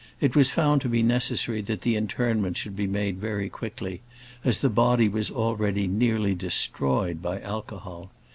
It was found to be necessary that the interment should be made very quickly, as the body was already nearly destroyed by alcohol.